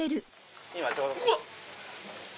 うわっ！